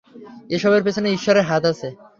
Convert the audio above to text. এসবের পেছনে ইশ্বরের হাত আছে।